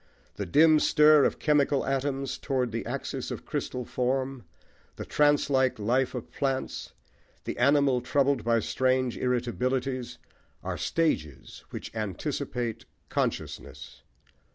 The dim stir of chemical atoms towards the axis of crystal form, the trance like life of plants, the animal troubled by strange irritabilities, are stages which anticipate consciousness.